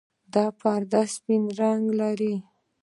دا پرده سپین رنګ لري.